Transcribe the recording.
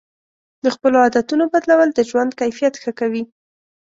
د خپلو عادتونو بدلول د ژوند کیفیت ښه کوي.